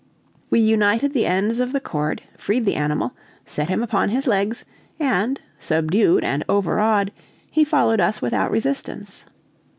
We united the ends of the cord, freed the animal, set him upon his legs, and, subdued and overawed, he followed us without resistance.